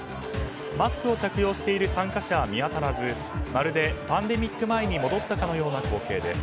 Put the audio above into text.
マスクを着用している参加者は見当たらずまるでパンデミック前に戻ったかのような光景です。